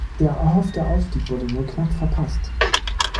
Der erhoffte Aufstieg wurde nur knapp verpasst.